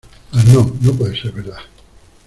Mas no, no puede ser verdad